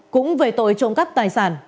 cũng về tội trộm cắp tài sản